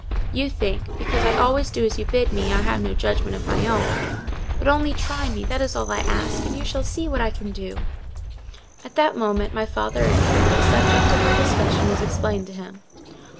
"You think, because I always do as you bid me, I have no judgment of my own: but only try me—that is all I ask—and you shall see what I can do." At that moment my father entered and the subject of our discussion was explained to him.